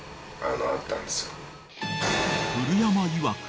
［古山いわく